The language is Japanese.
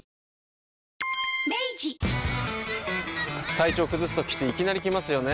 体調崩すときっていきなり来ますよね。